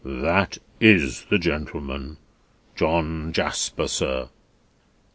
"That is the gentleman. John Jasper, sir."